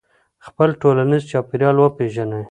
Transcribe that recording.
خپل ټولنیز چاپېریال وپېژنئ.